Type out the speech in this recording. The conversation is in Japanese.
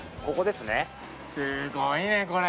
すごいねこれ。